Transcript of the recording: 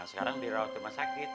sekarang dirawat rumah sakit